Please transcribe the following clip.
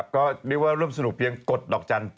ก็เรียกว่าร่วมสนุกเพียงกดดอกจันทร์